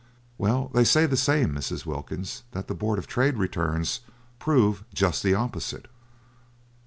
"Well, they say the same, Mrs. Wilkins, that the Board of Trade Returns prove just the opposite."